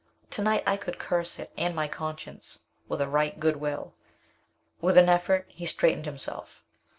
To night I could curse it and my conscience with a right good will." With an effort he straightened himself.